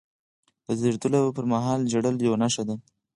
د زیږېدلو پرمهال ژړل یوه نښه ده.